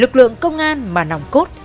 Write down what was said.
lực lượng công an mà nòng cốt